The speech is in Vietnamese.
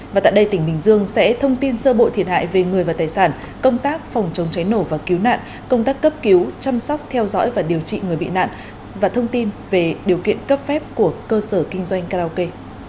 và tại đây tỉnh bình dương sẽ thông tin sơ bộ thiệt hại về người và tài sản công tác phòng chống cháy nổ và cứu nạn công tác cấp cứu chăm sóc theo dõi và điều trị người bị nạn và thông tin về điều kiện cấp phép của cơ sở kinh doanh karaoke